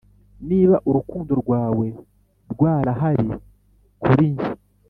niba urukundo rwawe rwarahari kuri njye.